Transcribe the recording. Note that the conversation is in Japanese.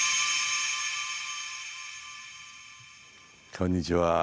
こんにちは。